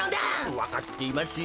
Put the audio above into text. わかっていますよ。